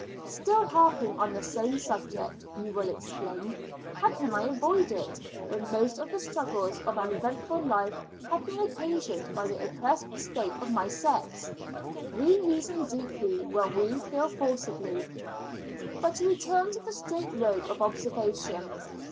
Still harping on the same subject, you will exclaim How can I avoid it, when most of the struggles of an eventful life have been occasioned by the oppressed state of my sex? We reason deeply when we feel forcibly. But to return to the straight road of observation.